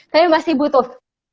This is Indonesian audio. kami masih butuh